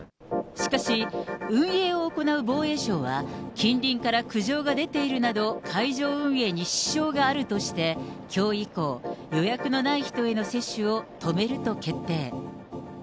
しかし、運営を行う防衛省は、近隣から苦情が出ているなど、会場運営に支障があるとして、きょう以降、予約のない人への接種を止めると決定。